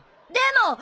でも！